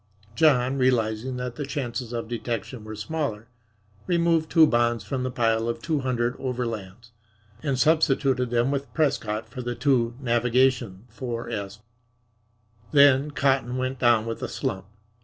John, realizing that the chances of detection were smaller, removed two bonds from the pile of two hundred Overlands and substituted them with Prescott for the two Navigation 4s. Then cotton went down with a slump.